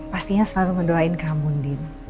pastinya selalu mendoain kamu din